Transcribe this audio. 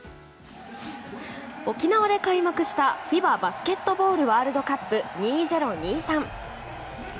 沖縄で開幕したＦＩＢＡバスケットボールワールドカップ２０２３。